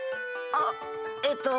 あっえっと。